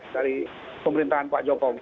dari pemerintahan pak jokowi